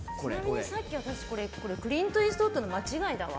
ちなみにさっき、私クリント・イーストウッドの間違いだわ。